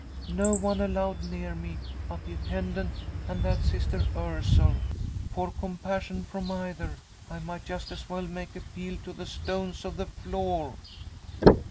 No one allowed near me but the attendant and that Sister Ursule. For compassion from either, I might just as well make appeal to the stones of the floor!